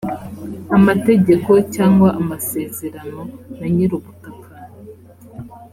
amategeko cyangwa amasezerano na nyir’ubutaka